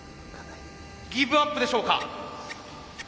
ギブアップでしょうか？